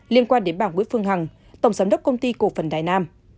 liên quan đến bà nguyễn phương hằng tổng giám đốc công ty cổ phần đài nam